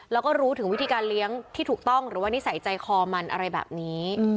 แล้วก็รู้ถึงวิธีการเลี้ยงที่ถูกต้องหรือว่านิสัยใจคอมันอะไรแบบนี้